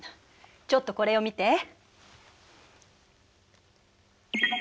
ちょっとこれを見て。